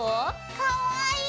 かわいい！